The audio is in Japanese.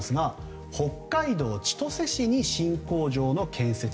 北海道千歳市に新工場の建設。